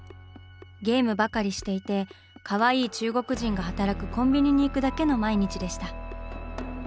ゲームばかりしていてかわいい中国人が働くコンビニに行くだけの毎日でした。